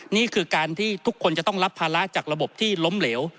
นี่คือการที่ทุกคนจะต้องรับภาระจากระบบที่ล้มเหลว